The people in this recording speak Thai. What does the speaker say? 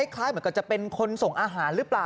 คล้ายเหมือนกับจะเป็นคนส่งอาหารหรือเปล่า